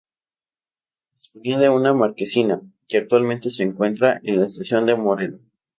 Disponía de una marquesina, que actualmente se encuentra en la estación de Moreda.